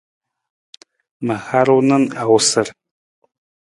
Ma haru na awusar.